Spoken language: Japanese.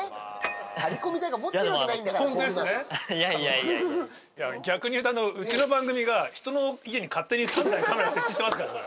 いや逆にいうとうちの番組がひとの家に勝手に３台もカメラ設置してますからね。